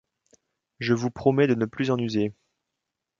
Je vous promets de ne plus en user.